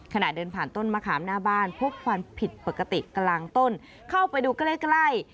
ขณะเดินผ่านต้นมะขามหน้าบ้านพบความผิดปกติกลางต้นเข้าไปดูใกล้ใกล้